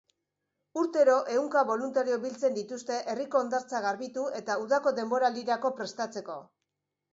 Urtero, ehunka boluntario biltzen dituzte herriko hondartza garbitu eta udako denboraldirako prestatzeko.